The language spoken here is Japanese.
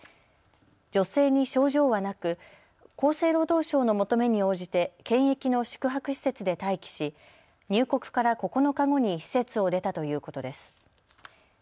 女性に症状はなく厚生労働省の求めに応じて検疫の宿泊施設で待機し入国から９日後に施設を出たということです。